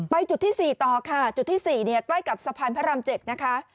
จุดที่๔ต่อค่ะจุดที่๔ใกล้กับสะพานพระราม๗นะคะ